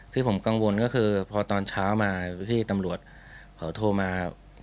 ที่ผมกังวลก็คือพอตอนเช้ามาที่ตำรวจเขาโทรมา